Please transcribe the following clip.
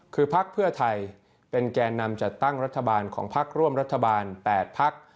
คือพักเพื่อไทยเป็นแก่นำจัดตั้งรัฐบาลของพักร่วมรัฐบาล๘พัก